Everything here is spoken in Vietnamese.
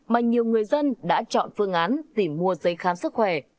mà nhiều người dân đã chọn phương án tìm mua giấy khám sức khỏe